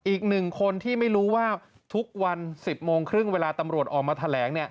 อีกหนึ่งคนที่ไม่รู้ว่าทุกวัน๑๐โมงครึ่งเวลาตำรวจออกมาแถลง